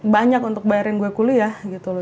banyak untuk bayarin gue kuliah gitu loh